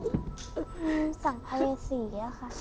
อืมสั่งภัยสี่อะค่ะ